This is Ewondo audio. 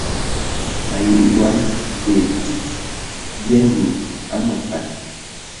Anɔn ai tsid bya nyiŋ a məfan.